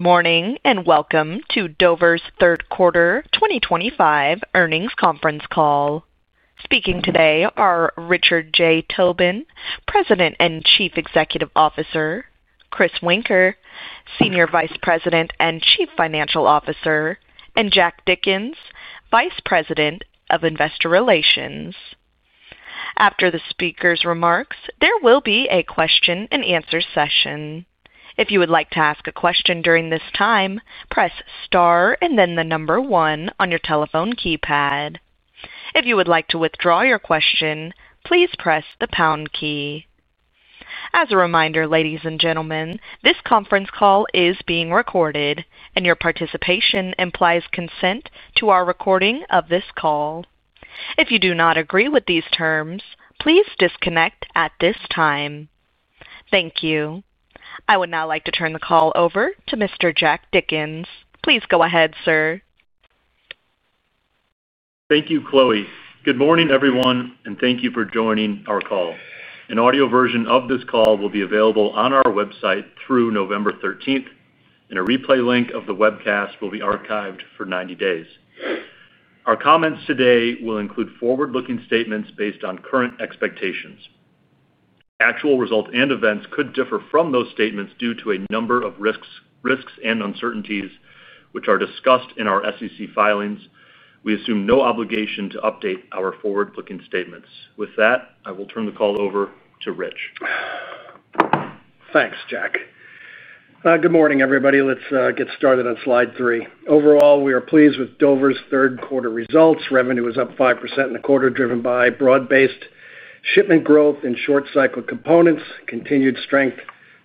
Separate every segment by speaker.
Speaker 1: Morning and welcome to Dover's third quarter 2025 earnings conference call. Speaking today are Richard J. Tobin, President and Chief Executive Officer, Chris Woenker, Senior Vice President and Chief Financial Officer, and Jack Dickens, Vice President of Investor Relations. After the speakers' remarks, there will be a question and answer session. If you would like to ask a question during this time, press star and then the number one on your telephone keypad. If you would like to withdraw your question, please press the pound key. As a reminder, ladies and gentlemen, this conference call is being recorded, and your participation implies consent to our recording of this call. If you do not agree with these terms, please disconnect at this time. Thank you. I would now like to turn the call over to Mr. Jack Dickens. Please go ahead, sir.
Speaker 2: Thank you, Chloe. Good morning, everyone, and thank you for joining our call. An audio version of this call will be available on our website through November 13, and a replay link of the webcast will be archived for 90 days. Our comments today will include forward-looking statements based on current expectations. Actual results and events could differ from those statements due to a number of risks and uncertainties, which are discussed in our SEC filings. We assume no obligation to update our forward-looking statements. With that, I will turn the call over to Rich.
Speaker 3: Thanks, Jack. Good morning, everybody. Let's get started on slide three. Overall, we are pleased with Dover's third quarter results. Revenue was up 5% in the quarter, driven by broad-based shipment growth in short-cycle components, continued strength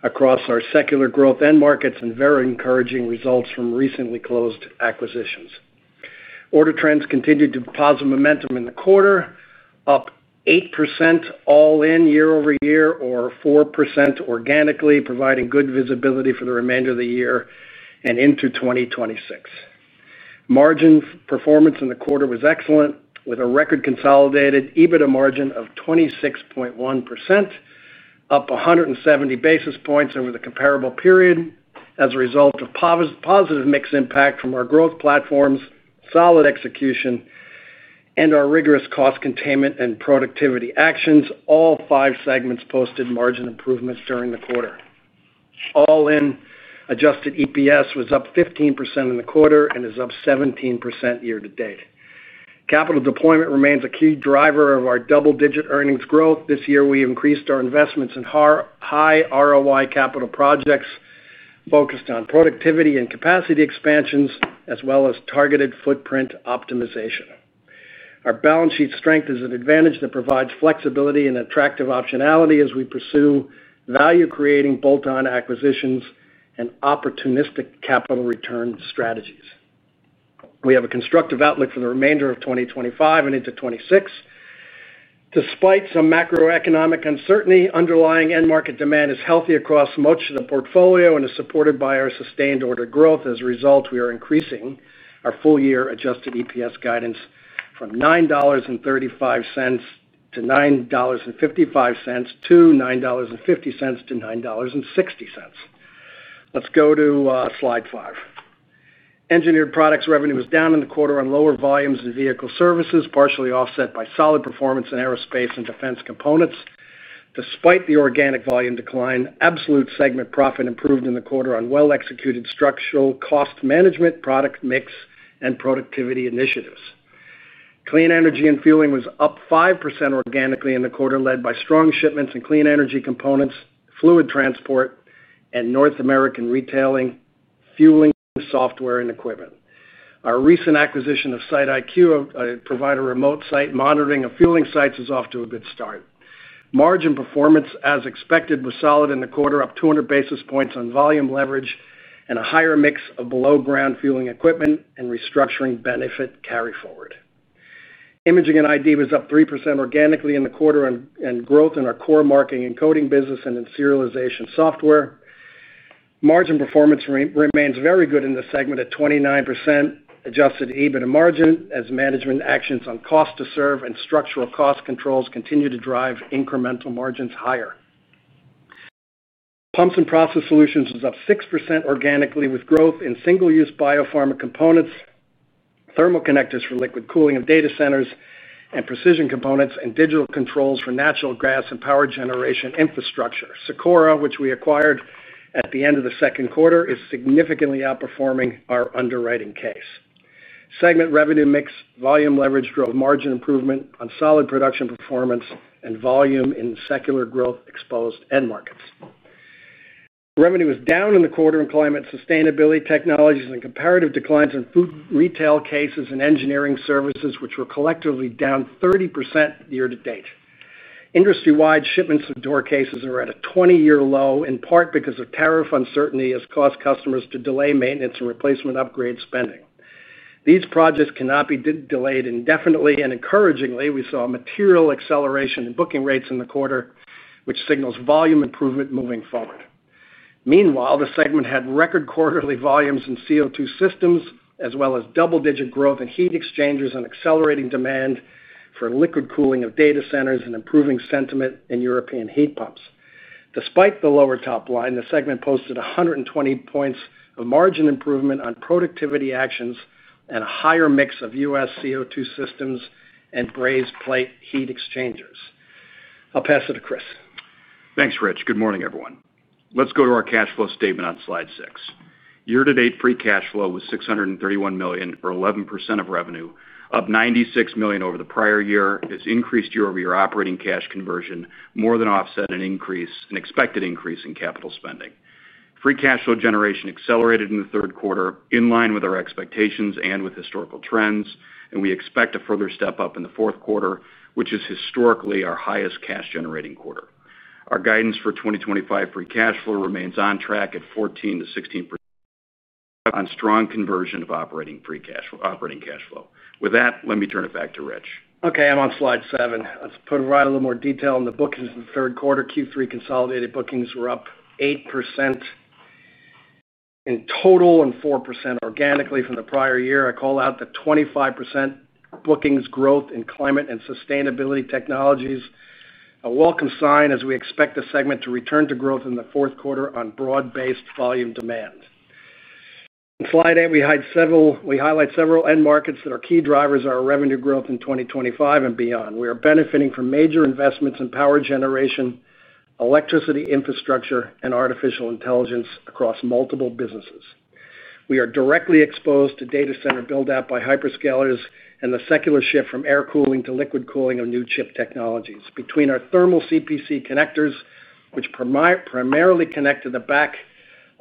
Speaker 3: across our secular growth end markets, and very encouraging results from recently closed acquisitions. Order trends continued to positive momentum in the quarter, up 8% all in year-over-year, or 4% organically, providing good visibility for the remainder of the year and into 2026. Margin performance in the quarter was excellent, with a record consolidated EBITDA margin of 26.1%, up 170 basis points over the comparable period. As a result of positive mix impact from our growth platforms, solid execution, and our rigorous cost containment and productivity actions, all five segments posted margin improvements during the quarter. All in, adjusted EPS was up 15% in the quarter and is up 17% year to date. Capital deployment remains a key driver of our double-digit earnings growth. This year, we increased our investments in high ROI capital projects focused on productivity and capacity expansions, as well as targeted footprint optimization. Our balance sheet strength is an advantage that provides flexibility and attractive optionality as we pursue value-creating bolt-on acquisitions and opportunistic capital return strategies. We have a constructive outlook for the remainder of 2025 and into 2026. Despite some macroeconomic uncertainty, underlying end-market demand is healthy across much of the portfolio and is supported by our sustained order growth. As a result, we are increasing our full-year adjusted EPS guidance from $9.35-$9.55 to $9.50-$9.60. Let's go to slide five. Engineered Products revenue was down in the quarter on lower volumes in vehicle services, partially offset by solid performance in aerospace and defense components. Despite the organic volume decline, absolute segment profit improved in the quarter on well-executed structural cost management, product mix, and productivity initiatives. Clean Energy & Fueling was up 5% organically in the quarter, led by strong shipments in clean energy components, fluid transport, and North American retailing, fueling software, and equipment. Our recent acquisition of SiteIQ, a provider of remote site monitoring of fueling sites, is off to a good start. Margin performance, as expected, was solid in the quarter, up 200 basis points on volume leverage and a higher mix of below-ground fueling equipment and restructuring benefit carry forward. Imaging & ID was up 3% organically in the quarter with growth in our core marking and coding business and in serialization software. Margin performance remains very good in the segment at 29% adjusted EBITDA margin, as management actions on cost to serve and structural cost controls continue to drive incremental margins higher. Pumps & Process Solutions was up 6% organically with growth in single-use biopharma components, thermal connectors for liquid cooling of data centers, and precision components and digital controls for natural gas and power generation infrastructure. SIKORA, which we acquired at the end of the second quarter, is significantly outperforming our underwriting case. Segment revenue mix volume leverage drove margin improvement on solid production performance and volume in secular growth exposed end markets. Revenue was down in the quarter in Climate & Sustainability Technologies and comparative declines in food retail cases and engineering services, which were collectively down 30% year to date. Industry-wide, shipments of door cases are at a 20-year low, in part because tariff uncertainty has caused customers to delay maintenance and replacement upgrade spending. These projects cannot be delayed indefinitely, and encouragingly, we saw a material acceleration in booking rates in the quarter, which signals volume improvement moving forward. Meanwhile, the segment had record quarterly volumes in CO2 refrigeration systems, as well as double-digit growth in heat exchangers and accelerating demand for liquid cooling of data centers and improving sentiment in European heat pumps. Despite the lower top line, the segment posted 120 basis points of margin improvement on productivity actions and a higher mix of U.S. CO2 systems and brazed plate heat exchangers. I'll pass it to Chris.
Speaker 4: Thanks, Rich. Good morning, everyone. Let's go to our cash flow statement on slide six. Year-to-date free cash flow was $631 million, or 11% of revenue, up $96 million over the prior year. Its increased year-over-year operating cash conversion more than offset an expected increase in capital spending. Free cash flow generation accelerated in the third quarter, in line with our expectations and with historical trends, and we expect a further step up in the fourth quarter, which is historically our highest cash-generating quarter. Our guidance for 2025 free cash flow remains on track at 14%-16% on strong conversion of operating cash flow. With that, let me turn it back to Rich.
Speaker 3: Okay, I'm on slide seven. Let's provide a little more detail on the bookings in the third quarter. Q3 consolidated bookings were up 8% in total and 4% organically from the prior year. I call out the 25% bookings growth in Climate & Sustainability Technologies, a welcome sign as we expect the segment to return to growth in the fourth quarter on broad-based volume demand. On slide eight, we highlight several end markets that are key drivers of our revenue growth in 2025 and beyond. We are benefiting from major investments in power generation, electricity infrastructure, and artificial intelligence across multiple businesses. We are directly exposed to data center buildout by hyperscalers and the secular shift from air cooling to liquid cooling of new chip technologies. Between our thermal CPC connectors, which primarily connect to the back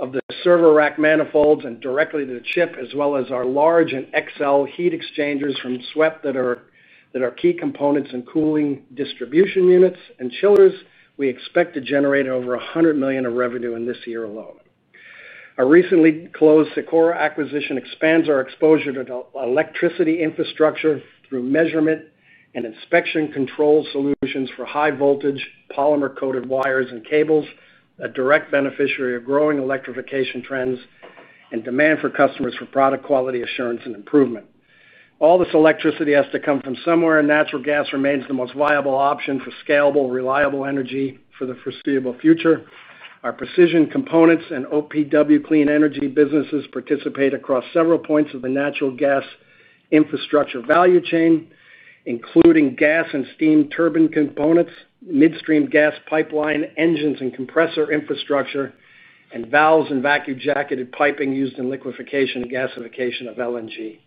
Speaker 3: of the server rack manifolds and directly to the chip, as well as our large and XL heat exchangers from SWEP that are key components in coolant distribution units and chillers, we expect to generate over $100 million in revenue in this year alone. A recently closed SIKORA acquisition expands our exposure to electricity infrastructure through measurement and inspection control solutions for high-voltage polymer-coated wires and cables, a direct beneficiary of growing electrification trends and demand from customers for product quality assurance and improvement. All this electricity has to come from somewhere, and natural gas remains the most viable option for scalable, reliable energy for the foreseeable future. Our precision components and OPW Clean Energy businesses participate across several points of the natural gas infrastructure value chain, including gas and steam turbine components, midstream gas pipeline engines and compressor infrastructure, and valves and vacuum jacketed piping used in liquefaction and gasification of LNG.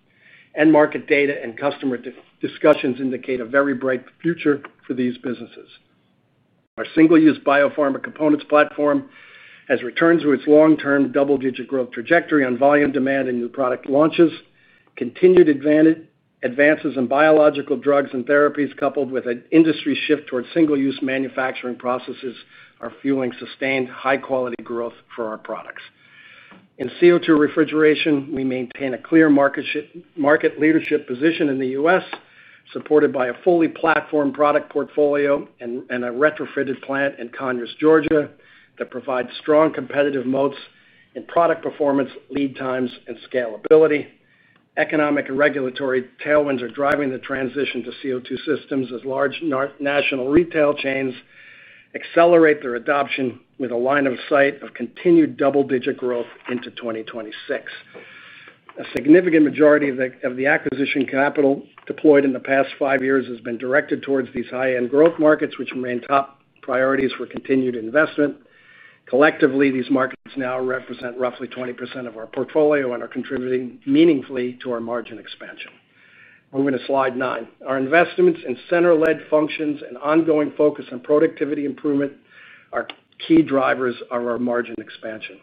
Speaker 3: End market data and customer discussions indicate a very bright future for these businesses. Our single-use biopharma components platform has returned to its long-term double-digit growth trajectory on volume demand and new product launches. Continued advances in biological drugs and therapies, coupled with an industry shift towards single-use manufacturing processes, are fueling sustained high-quality growth for our products. In CO2 refrigeration, we maintain a clear market leadership position in the U.S., supported by a fully platform product portfolio and a retrofitted plant in Conyers, Georgia, that provides strong competitive moats in product performance, lead times, and scalability. Economic and regulatory tailwinds are driving the transition to CO2 systems as large national retail chains accelerate their adoption with a line of sight of continued double-digit growth into 2026. A significant majority of the acquisition capital deployed in the past five years has been directed towards these high-end growth markets, which remain top priorities for continued investment. Collectively, these markets now represent roughly 20% of our portfolio and are contributing meaningfully to our margin expansion. Moving to slide nine, our investments in center-led functions and ongoing focus on productivity improvement are key drivers of our margin expansion.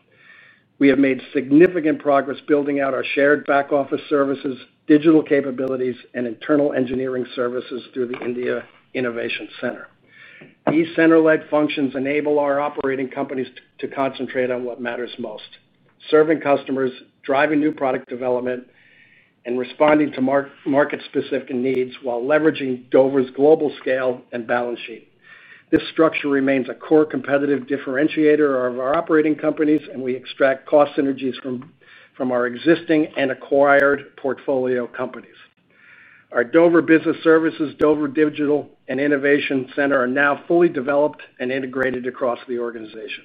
Speaker 3: We have made significant progress building out our shared back-office services, digital capabilities, and internal engineering services through the India Innovation Center. These center-led functions enable our operating companies to concentrate on what matters most. Serving customers, driving new product development, and responding to market-specific needs while leveraging Dover's global scale and balance sheet. This structure remains a core competitive differentiator of our operating companies, and we extract cost synergies from our existing and acquired portfolio companies. Our Dover Business Services, Dover Digital, and Innovation Center are now fully developed and integrated across the organization.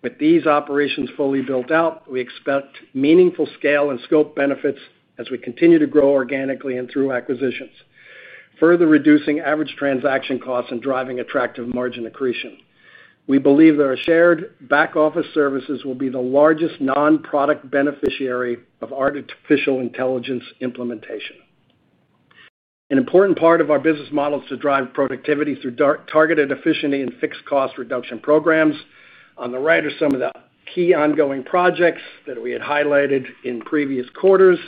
Speaker 3: With these operations fully built out, we expect meaningful scale and scope benefits as we continue to grow organically and through acquisitions, further reducing average transaction costs and driving attractive margin accretion. We believe that our shared back-office services will be the largest non-product beneficiary of artificial intelligence implementation. An important part of our business model is to drive productivity through targeted efficiency and fixed cost reduction programs. On the right are some of the key ongoing projects that we had highlighted in previous quarters,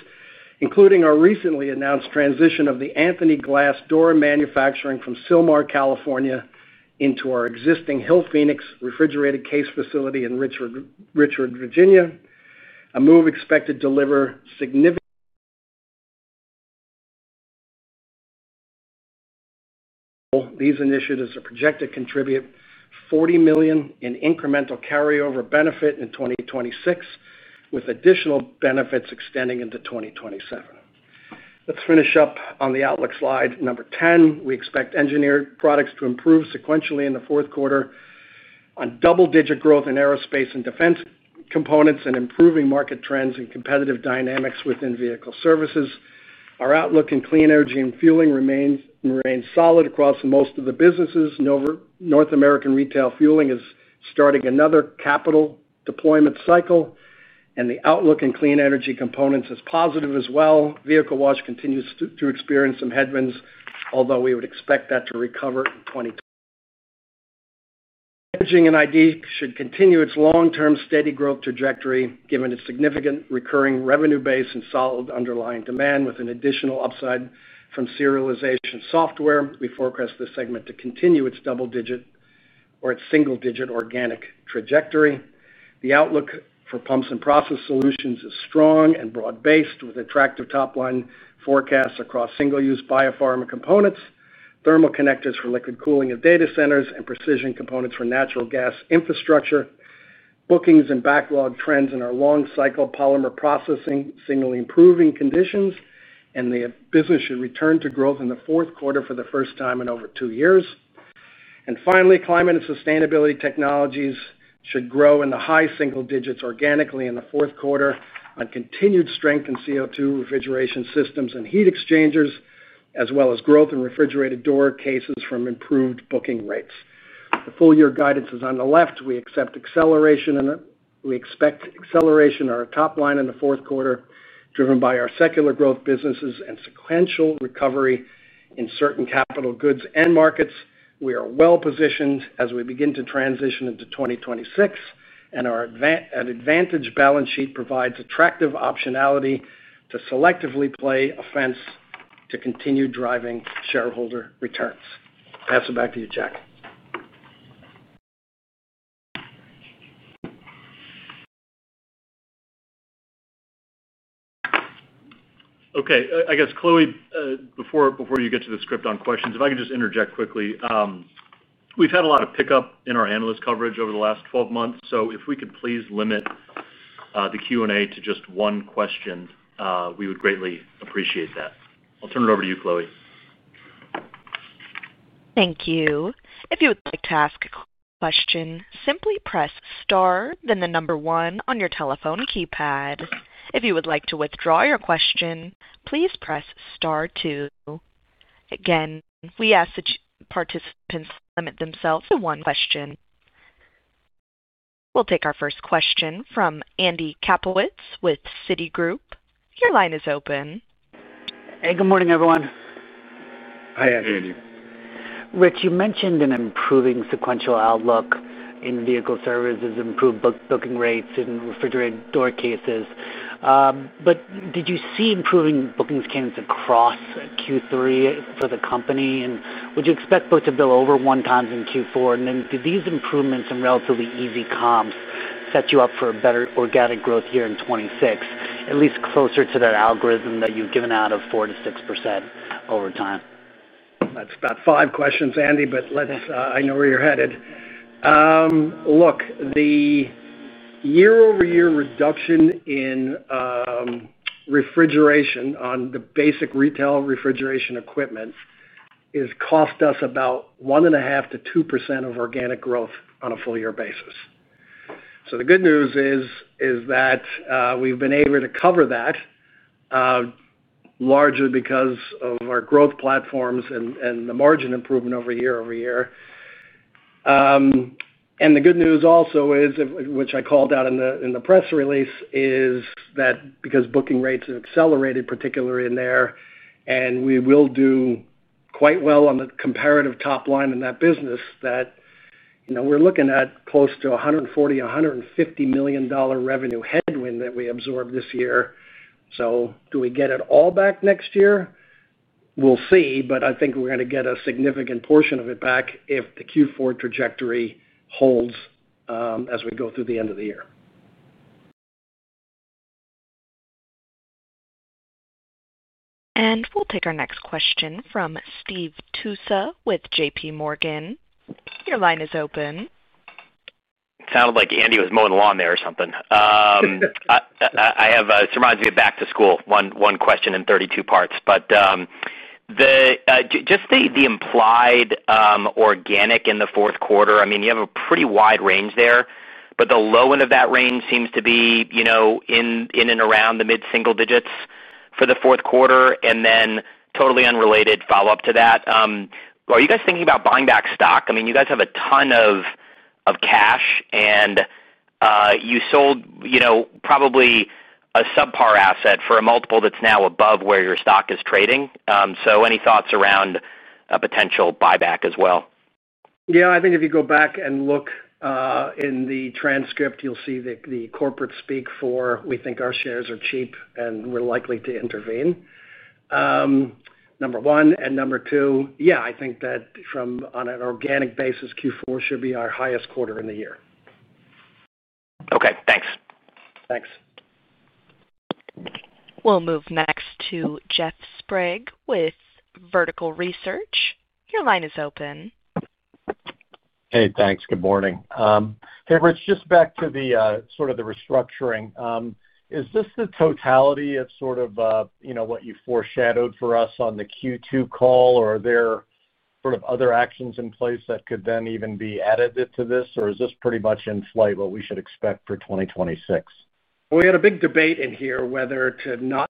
Speaker 3: including our recently announced transition of the Anthony Glass door manufacturing from Sylmar, California, into our existing Hillphoenix refrigerated case facility in Richmond, Virginia, a move expected to deliver significant benefits. These initiatives are projected to contribute $40 million in incremental carryover benefit in 2026, with additional benefits extending into 2027. Let's finish up on the outlook slide number 10. We expect Engineered Products to improve sequentially in the fourth quarter on double-digit growth in aerospace and defense components and improving market trends and competitive dynamics within Vehicle Services. Our outlook in Clean Energy & Fueling remains solid across most of the businesses. North American retail fueling is starting another capital deployment cycle, and the outlook in clean energy components is positive as well. Vehicle wash continues to experience some headwinds, although we would expect that to recover in 2025. Imaging & ID should continue its long-term steady growth trajectory, given its significant recurring revenue base and solid underlying demand, with an additional upside from serialization software. We forecast this segment to continue its single-digit organic trajectory. The outlook for Pumps & Process Solutions is strong and broad-based, with attractive top-line forecasts across single-use biopharma components, thermal connectors for liquid cooling of data centers, and precision components for natural gas infrastructure. Bookings and backlog trends in our long-cycle polymer processing signal improving conditions, and the business should return to growth in the fourth quarter for the first time in over two years. Finally, Climate & Sustainability Technologies should grow in the high single digits organically in the fourth quarter on continued strength in CO2 refrigeration systems and heat exchangers, as well as growth in refrigerated door cases from improved booking rates. The full-year guidance is on the left. We expect acceleration at our top line in the fourth quarter, driven by our secular growth businesses and sequential recovery in certain capital goods end markets. We are well positioned as we begin to transition into 2026, and our advantaged balance sheet provides attractive optionality to selectively play offense to continue driving shareholder returns. Pass it back to you, Jack.
Speaker 2: Okay, I guess, Chloe, before you get to the script on questions, if I could just interject quickly. We've had a lot of pickup in our analyst coverage over the last 12 months. If we could please limit the Q&A to just one question, we would greatly appreciate that. I'll turn it over to you, Chloe.
Speaker 1: Thank you. If you would like to ask a question, simply press star then the number one on your telephone keypad. If you would like to withdraw your question, please press star two. Again, we ask that participants limit themselves to one question. We'll take our first question from Andy Kaplowitz with Citigroup. Your line is open.
Speaker 5: Hey, good morning, everyone.
Speaker 3: Hi, Andy.
Speaker 5: Rich, you mentioned an improving sequential outlook in vehicle services, improved booking rates in refrigerated door cases. Did you see improving bookings cadence across Q3 for the company? Would you expect book-to-bill over one times in Q4? Do these improvements in relatively easy comps set you up for a better organic growth year in 2026, at least closer to that algorithm that you've given out of 4%-6% over time?
Speaker 3: That's about five questions, Andy, but let's, I know where you're headed. Look, the year-over-year reduction in refrigeration on the basic retail refrigeration equipment has cost us about 1.5%-2% of organic growth on a full-year basis. The good news is that we've been able to cover that, largely because of our growth platforms and the margin improvement over year over year. The good news also is, which I called out in the press release, is that because booking rates have accelerated, particularly in there, we will do quite well on the comparative top line in that business. We're looking at close to $140 million-$150 million revenue headwind that we absorbed this year. Do we get it all back next year? We'll see, but I think we're going to get a significant portion of it back if the Q4 trajectory holds as we go through the end of the year.
Speaker 1: We will take our next question from Steve Tusa with JPMorgan. Your line is open.
Speaker 6: Sounded like Andy was mowing the lawn there or something. This reminds me of back to school, one question in 32 parts. The implied organic in the fourth quarter, you have a pretty wide range there, but the low end of that range seems to be in and around the mid-single digits for the fourth quarter. Totally unrelated follow-up to that, are you guys thinking about buying back stock? You guys have a ton of cash and you sold probably a subpar asset for a multiple that's now above where your stock is trading. Any thoughts around a potential buyback as well?
Speaker 3: Yeah, I think if you go back and look in the transcript, you'll see that the corporate speak for, we think our shares are cheap and we're likely to intervene, number one. Number two, yeah, I think that from on an organic basis, Q4 should be our highest quarter in the year.
Speaker 6: Okay, thanks.
Speaker 3: Thanks.
Speaker 1: We'll move next to Jeff Sprigg with Vertical Research. Your line is open.
Speaker 7: Hey, thanks. Good morning. Hey, Rich, just back to the, sort of the restructuring. Is this the totality of sort of, you know, what you foreshadowed for us on the Q2 call, or are there other actions in place that could then even be added to this, or is this pretty much in flight what we should expect for 2026?
Speaker 3: We had a big debate in here whether to or not.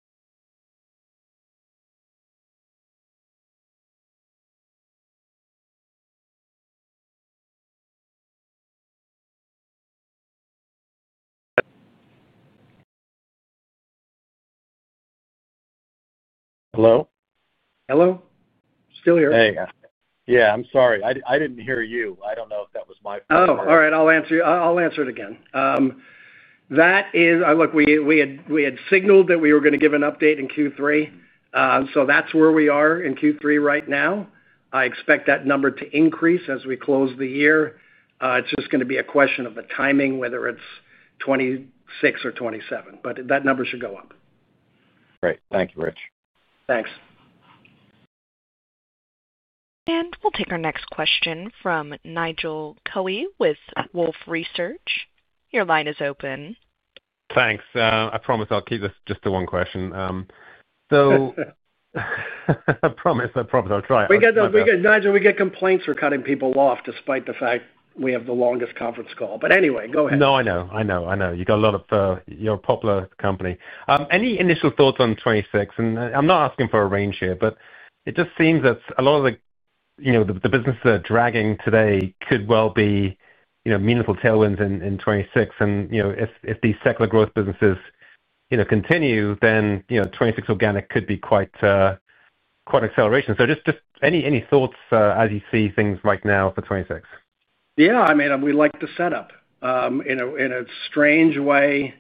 Speaker 3: Hello? Still here.
Speaker 7: Yeah. I'm sorry, I didn't hear you. I don't know if that was my fault.
Speaker 3: All right. I'll answer it again. We had signaled that we were going to give an update in Q3. That's where we are in Q3 right now. I expect that number to increase as we close the year. It's just going to be a question of the timing, whether it's 2026 or 2027, but that number should go up.
Speaker 7: Great. Thank you, Rich.
Speaker 3: Thanks.
Speaker 1: We will take our next question from Nigel Coe with Wolfe Research. Your line is open.
Speaker 8: Thanks. I promise I'll keep this just to one question. I promise I'll try it.
Speaker 3: We get complaints for cutting people off despite the fact we have the longest conference call. Anyway, go ahead.
Speaker 8: You got a lot of, you're a popular company. Any initial thoughts on 2026? I'm not asking for a range here, but it just seems that a lot of the businesses that are dragging today could well be meaningful tailwinds in 2026. If these secular growth businesses continue, then 2026 organic could be quite an acceleration. Just any thoughts, as you see things right now for 2026?
Speaker 3: Yeah, I mean, we like the setup. In a strange way,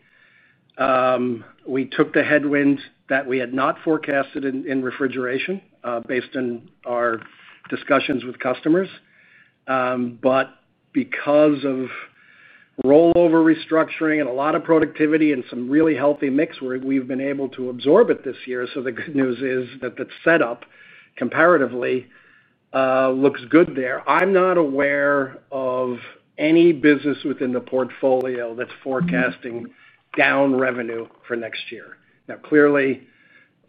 Speaker 3: we took the headwinds that we had not forecasted in refrigeration, based on our discussions with customers. Because of rollover restructuring and a lot of productivity and some really healthy mix, we've been able to absorb it this year. The good news is that the setup comparatively looks good there. I'm not aware of any business within the portfolio that's forecasting down revenue for next year. Clearly,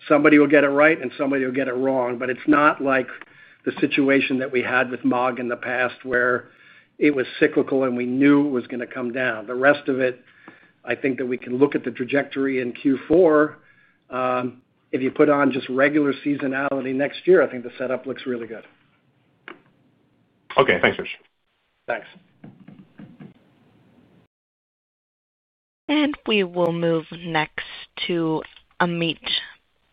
Speaker 3: somebody will get it right and somebody will get it wrong, but it's not like the situation that we had with MAAG in the past where it was cyclical and we knew it was going to come down. The rest of it, I think that we can look at the trajectory in Q4. If you put on just regular seasonality next year, I think the setup looks really good.
Speaker 8: Okay, thanks, Rich.
Speaker 3: Thanks.
Speaker 1: We will move next to Amit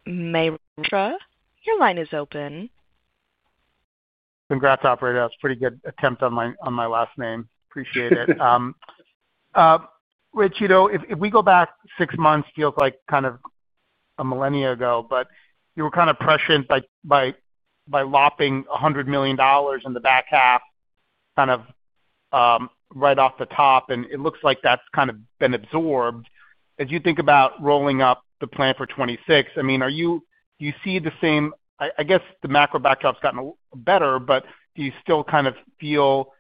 Speaker 1: Mehra. Your line is open.
Speaker 9: Congrats, operator. That was a pretty good attempt on my last name. Appreciate it. Rich, if we go back six months, feels like kind of a millennia ago, but you were kind of prescient by lopping $100 million in the back half, kind of right off the top. It looks like that's been absorbed. As you think about rolling up the plan for 2026, do you see the same, I guess the macro backdrop's gotten a little better, but do you still feel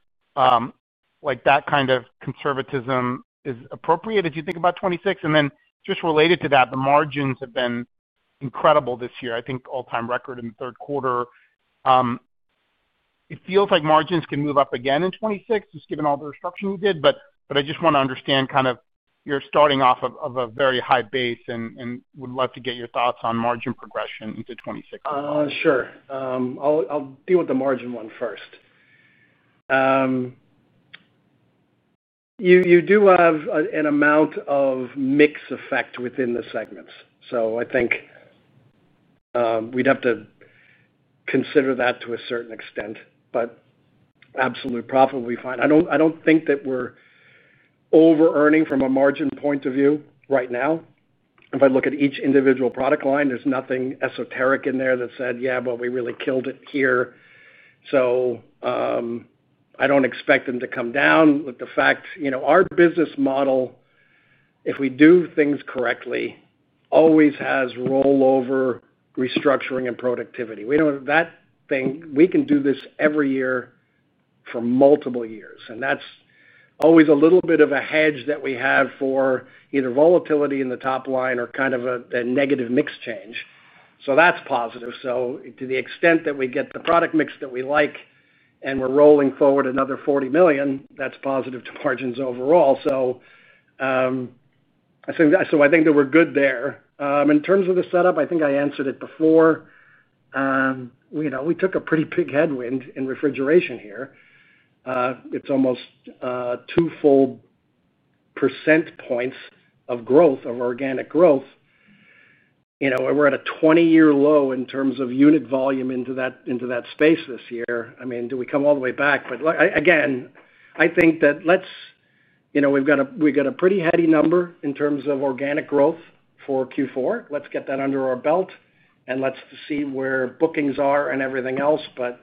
Speaker 9: like that kind of conservatism is appropriate as you think about 2026? Related to that, the margins have been incredible this year. I think all-time record in the third quarter. It feels like margins can move up again in 2026, just given all the restructuring you did. I just want to understand, you're starting off of a very high base and would love to get your thoughts on margin progression into 2026.
Speaker 3: Sure. I'll deal with the margin one first. You do have an amount of mix effect within the segments. I think we'd have to consider that to a certain extent, but absolute profit will be fine. I don't think that we're over-earning from a margin point of view right now. If I look at each individual product line, there's nothing esoteric in there that said, "Yeah, but we really killed it here." I don't expect them to come down. The fact, you know, our business model, if we do things correctly, always has rollover, restructuring, and productivity. We know that we can do this every year for multiple years. That's always a little bit of a hedge that we have for either volatility in the top line or kind of a negative mix change. That's positive. To the extent that we get the product mix that we like and we're rolling forward another $40 million, that's positive to margins overall. I think that we're good there. In terms of the setup, I think I answered it before. You know, we took a pretty big headwind in refrigeration here. It's almost 2% points of growth, of organic growth. We're at a 20-year low in terms of unit volume into that space this year. I mean, do we come all the way back? Again, I think that, let's, you know, we've got a pretty heady number in terms of organic growth for Q4. Let's get that under our belt and let's see where bookings are and everything else. I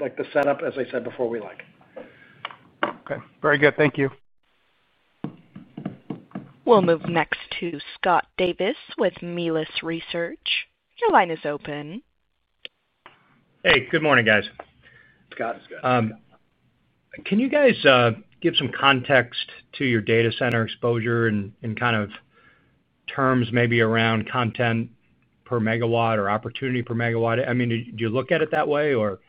Speaker 3: like the setup, as I said before, we like.
Speaker 9: Okay, very good. Thank you.
Speaker 1: We'll move next to Scott Davis with Melius Research. Your line is open.
Speaker 10: Hey, good morning, guys.
Speaker 3: Scott.
Speaker 10: Can you guys give some context to your data center exposure and kind of terms maybe around content per megawatt or opportunity per megawatt? I mean, do you look at it that way, or?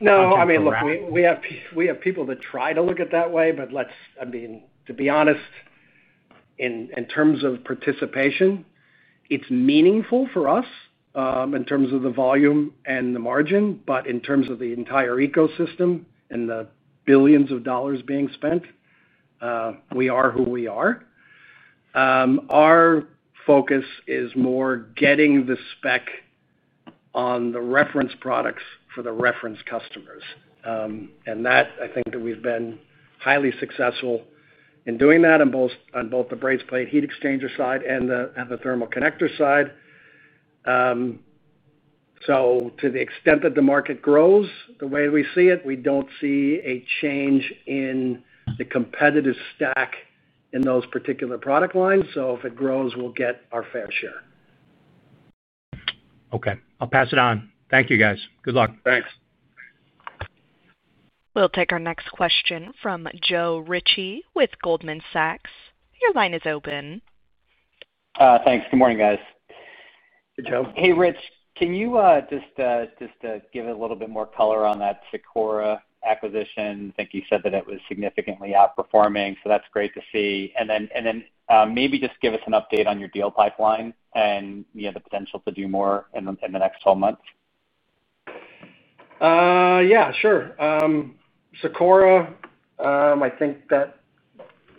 Speaker 3: No, I mean, look, we have people that try to look at it that way, but let's, I mean, to be honest, in terms of participation, it's meaningful for us in terms of the volume and the margin, but in terms of the entire ecosystem and the billions of dollars being spent, we are who we are. Our focus is more getting the spec on the reference products for the reference customers. I think that we've been highly successful in doing that on both the braze plate heat exchanger side and the thermal connector side. To the extent that the market grows the way we see it, we don't see a change in the competitive stack in those particular product lines. If it grows, we'll get our fair share.
Speaker 10: Okay, I'll pass it on. Thank you, guys. Good luck.
Speaker 3: Thanks.
Speaker 1: We'll take our next question from Joe Ritchie with Goldman Sachs. Your line is open.
Speaker 11: Thanks. Good morning, guys.
Speaker 3: Hey, Joe.
Speaker 11: Hey, Rich. Can you give a little bit more color on that SIKORA acquisition? I think you said that it was significantly outperforming, so that's great to see. Maybe just give us an update on your deal pipeline and the potential to do more in the next 12 months?
Speaker 3: Yeah, sure. SIKORA, I think that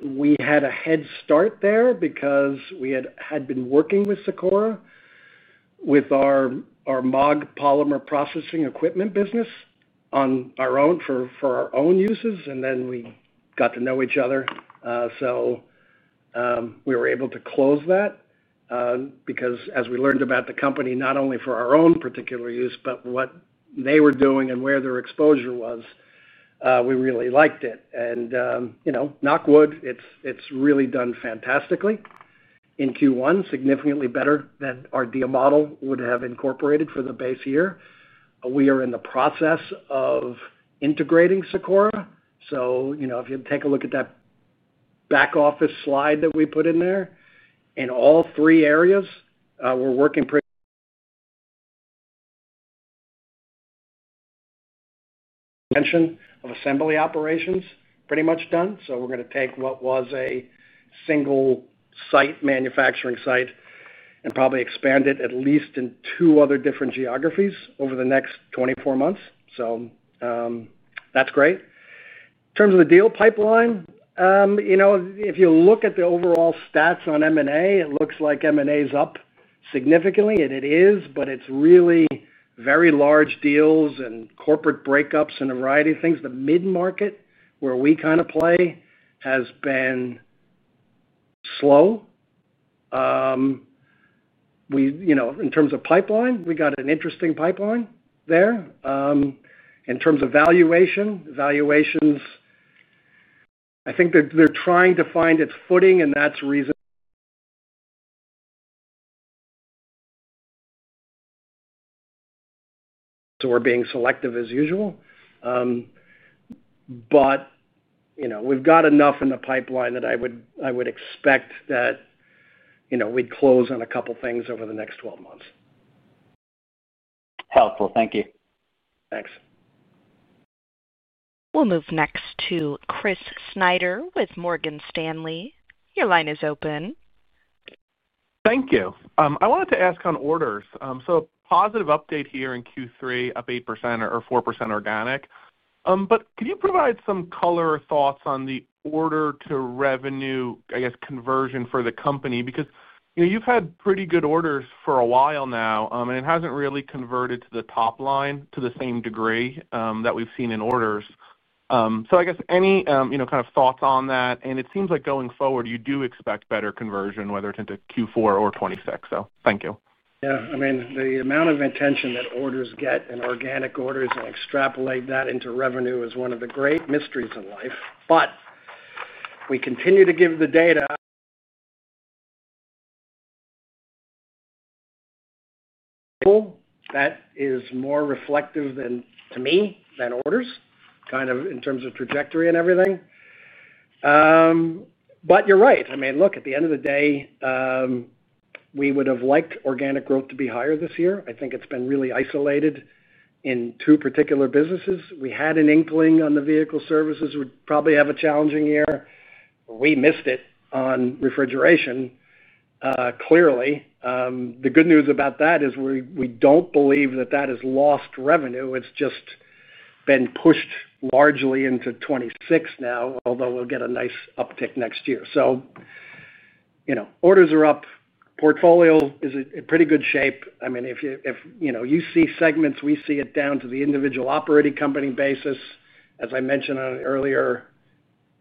Speaker 3: we had a head start there because we had been working with SIKORA with our MOG polymer processing equipment business on our own for our own uses. Then we got to know each other, so we were able to close that, because as we learned about the company, not only for our own particular use, but what they were doing and where their exposure was, we really liked it. You know, knock wood, it's really done fantastically in Q1, significantly better than our deal model would have incorporated for the base year. We are in the process of integrating SIKORA. If you take a look at that back-office slide that we put in there, in all three areas, we're working pretty much on the extension of assembly operations, pretty much done. We're going to take what was a single site manufacturing site and probably expand it at least in two other different geographies over the next 24 months. That's great. In terms of the deal pipeline, if you look at the overall stats on M&A, it looks like M&A is up significantly, and it is, but it's really very large deals and corporate breakups and a variety of things. The mid-market where we kind of play has been slow. In terms of pipeline, we got an interesting pipeline there. In terms of valuation, valuations, I think that they're trying to find its footing, and that's reasonable. We're being selective as usual. We've got enough in the pipeline that I would expect that we'd close on a couple of things over the next 12 months.
Speaker 11: Helpful. Thank you.
Speaker 3: Thanks.
Speaker 1: We'll move next to Chris Snyder with Morgan Stanley. Your line is open.
Speaker 12: Thank you. I wanted to ask on orders. A positive update here in Q3 of 8% or 4% organic, but can you provide some color or thoughts on the order to revenue conversion for the company? Because you've had pretty good orders for a while now, and it hasn't really converted to the top line to the same degree that we've seen in orders. I guess any thoughts on that? It seems like going forward, you do expect better conversion, whether it's into Q4 or 2026. Thank you.
Speaker 3: Yeah, I mean, the amount of attention that orders get and organic orders and extrapolate that into revenue is one of the great mysteries in life. We continue to give the data that is more reflective to me than orders, kind of in terms of trajectory and everything. You're right. I mean, look, at the end of the day, we would have liked organic growth to be higher this year. I think it's been really isolated in two particular businesses. We had an inkling the vehicle services would probably have a challenging year. We missed it on refrigeration, clearly. The good news about that is we don't believe that that has lost revenue. It's just been pushed largely into 2026 now, although we'll get a nice uptick next year. Orders are up. Portfolio is in pretty good shape. If you see segments, we see it down to the individual operating company basis. As I mentioned to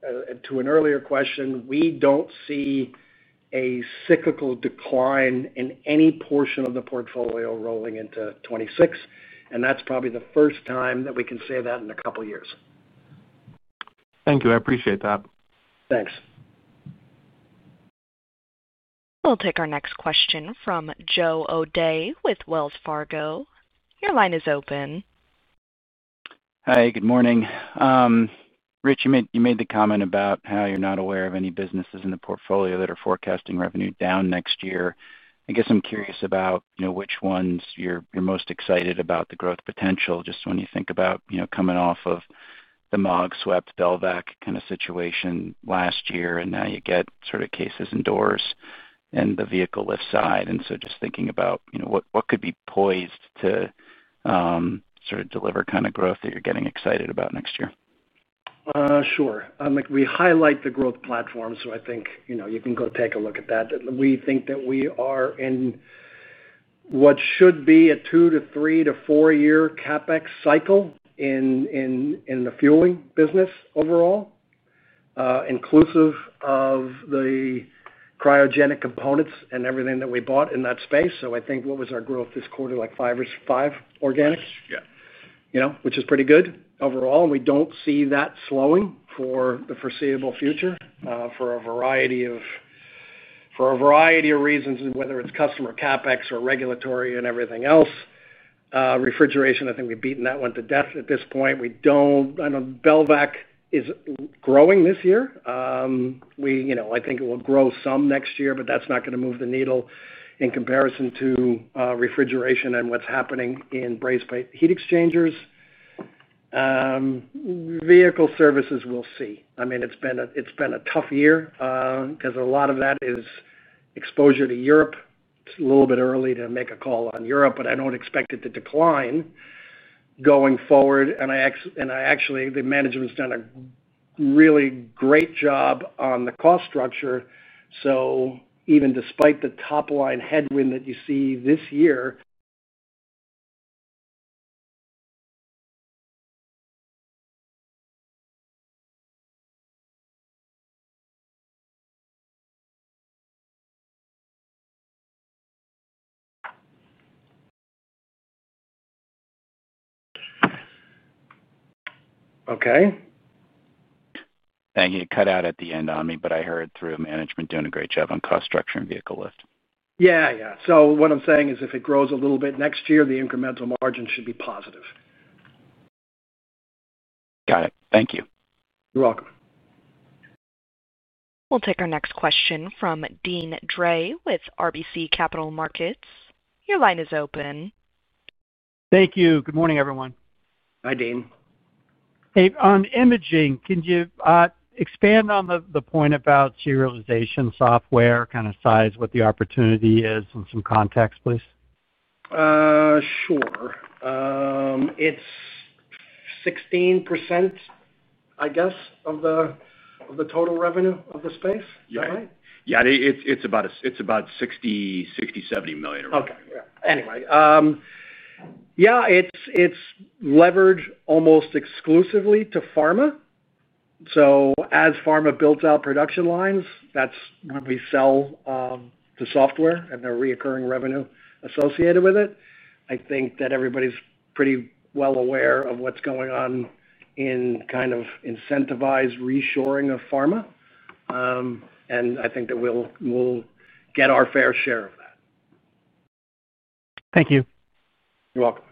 Speaker 3: an earlier question, we don't see a cyclical decline in any portion of the portfolio rolling into 2026. That's probably the first time that we can say that in a couple of years.
Speaker 12: Thank you. I appreciate that.
Speaker 3: Thanks.
Speaker 1: We'll take our next question from Joe O'Dea with Wells Fargo. Your line is open.
Speaker 13: Hi, good morning. Rich, you made the comment about how you're not aware of any businesses in the portfolio that are forecasting revenue down next year. I guess I'm curious about, you know, which ones you're most excited about the growth potential, just when you think about, you know, coming off of the MAAG SWEP Belvac kind of situation last year, and now you get sort of cases and doors in the vehicle lift side. Just thinking about, you know, what could be poised to sort of deliver kind of growth that you're getting excited about next year?
Speaker 3: Sure. We highlight the growth platform, so I think, you know, you can go take a look at that. We think that we are in what should be a two to three to four-year CapEx cycle in the fueling business overall, inclusive of the cryogenic components and everything that we bought in that space. I think what was our growth this quarter, like 5% or 5% organics? Yeah. You know, which is pretty good overall. We don't see that slowing for the foreseeable future, for a variety of reasons, whether it's customer CapEx or regulatory and everything else. Refrigeration, I think we've beaten that one to death at this point. I don't know, Belvac is growing this year. I think it will grow some next year, but that's not going to move the needle in comparison to refrigeration and what's happening in braze plate heat exchangers. Vehicle services, we'll see. I mean, it's been a tough year, because a lot of that is exposure to Europe. It's a little bit early to make a call on Europe, but I don't expect it to decline going forward. I actually think the management's done a really great job on the cost structure, even despite the top-line headwind that you see this year. Okay.
Speaker 13: Thank you. It cut out at the end on me, but I heard through management doing a great job on cost structure and vehicle lift.
Speaker 3: What I'm saying is if it grows a little bit next year, the incremental margin should be positive.
Speaker 13: Got it. Thank you.
Speaker 3: You're welcome.
Speaker 1: We'll take our next question from Deane Dray with RBC Capital Markets. Your line is open.
Speaker 14: Thank you. Good morning, everyone.
Speaker 3: Hi, Dean.
Speaker 14: Hey, on Imaging, can you expand on the point about serialization software, kind of size, what the opportunity is, and some context, please?
Speaker 3: Sure. It's 16% of the total revenue of the space. Is that right?
Speaker 4: Yeah, it's about $60 million, $70 million or more.
Speaker 3: Okay. Yeah. Anyway, it's leveraged almost exclusively to pharma. As pharma builds out production lines, that's when we sell the software and the recurring revenue associated with it. I think that everybody's pretty well aware of what's going on in kind of incentivized reshoring of pharma, and I think that we'll get our fair share of that.
Speaker 14: Thank you.
Speaker 3: You're welcome.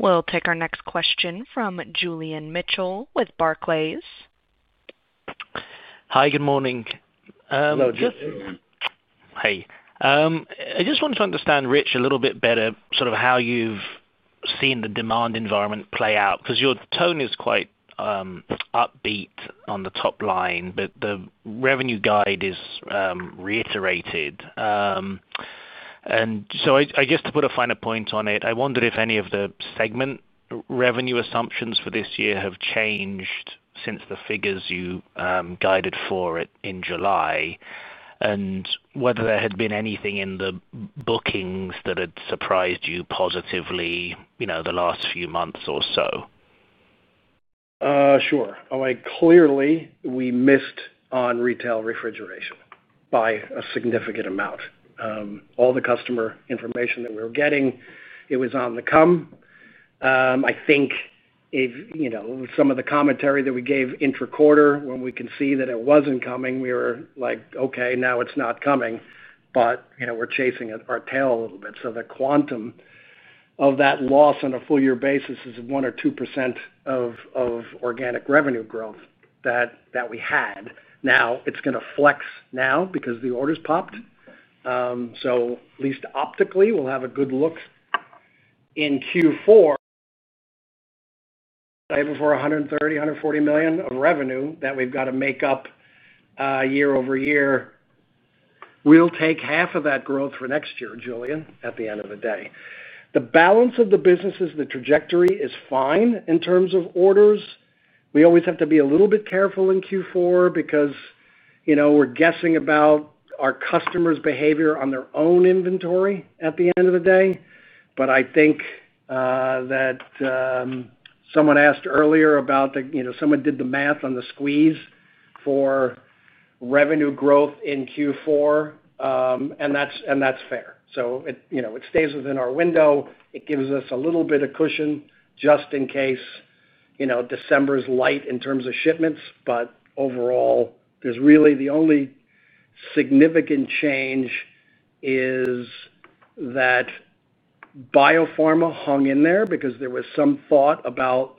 Speaker 1: We'll take our next question from Julian Mitchell with Barclays.
Speaker 15: Hi, good morning.
Speaker 3: Hello, Julian.
Speaker 15: Hey, I just wanted to understand, Rich, a little bit better sort of how you've seen the demand environment play out because your tone is quite upbeat on the top line, but the revenue guide is reiterated. I guess to put a finer point on it, I wondered if any of the segment revenue assumptions for this year have changed since the figures you guided for in July and whether there had been anything in the bookings that had surprised you positively the last few months or so.
Speaker 3: Sure. Clearly, we missed on retail refrigeration by a significant amount. All the customer information that we were getting, it was on the come. I think if, you know, some of the commentary that we gave intra-quarter when we can see that it wasn't coming, we were like, "Okay, now it's not coming." You know, we're chasing our tail a little bit. The quantum of that loss on a full-year basis is 1% or 2% of organic revenue growth that we had. Now, it's going to flex now because the orders popped. At least optically, we'll have a good look in Q4. Right before, $130 million, $140 million of revenue that we've got to make up, year-over-year. We'll take half of that growth for next year, Julian, at the end of the day. The balance of the businesses, the trajectory is fine in terms of orders. We always have to be a little bit careful in Q4 because, you know, we're guessing about our customers' behavior on their own inventory at the end of the day. I think someone asked earlier about the, you know, someone did the math on the squeeze for revenue growth in Q4, and that's fair. It stays within our window. It gives us a little bit of cushion just in case, you know, December's light in terms of shipments. Overall, the only significant change is that biopharma hung in there because there was some thought about,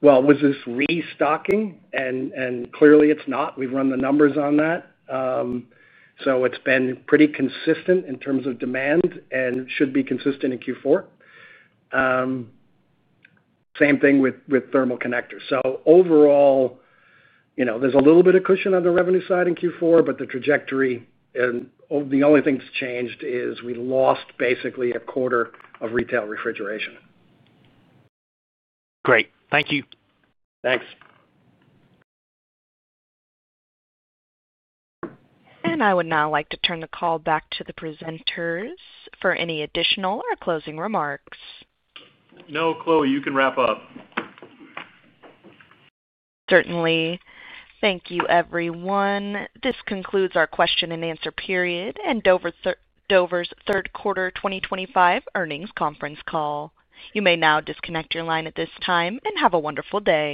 Speaker 3: well, was this restocking? Clearly, it's not. We've run the numbers on that, so it's been pretty consistent in terms of demand and should be consistent in Q4. Same thing with thermal connectors. Overall, there's a little bit of cushion on the revenue side in Q4, but the trajectory and the only thing that's changed is we lost basically a quarter of retail refrigeration.
Speaker 15: Great. Thank you.
Speaker 3: Thanks.
Speaker 1: I would now like to turn the call back to the presenters for any additional or closing remarks.
Speaker 2: No, Chloe, you can wrap up.
Speaker 1: Certainly. Thank you, everyone. This concludes our question and answer period and Dover's third quarter 2025 earnings conference call. You may now disconnect your line at this time and have a wonderful day.